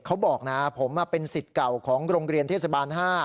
เขาบอกนะผมเป็นสิทธิ์เก่าของโรงเรียนเทศบาล๕